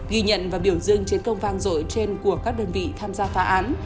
ghi nhận và biểu dương trên công vang rội trên của các đơn vị tham gia phá án